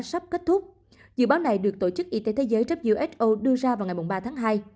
sắp kết thúc dự báo này được tổ chức y tế thế giới who đưa ra vào ngày ba tháng hai